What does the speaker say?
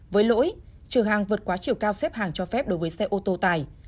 với lỗi trở hàng vượt quá chiều cao xếp hàng cho phép đối với xe ô tô tải